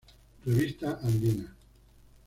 Revista Andina.